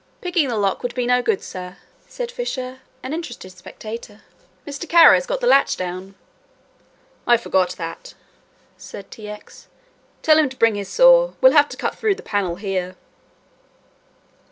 "Picking the lock would be no good, sir," said Fisher, an interested spectator, "Mr. Kara's got the latch down." "I forgot that," said T. X. "Tell him to bring his saw, we'll have to cut through the panel here."